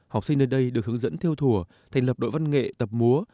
học sinh nơi đây được hướng dẫn theo thủa thành lập đội văn nghệ tập múa